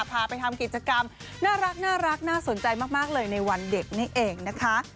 พาไปทำกิจกรรมน่ารักน่าสนใจมากเลยในวันเด็กนี่เองนะคะ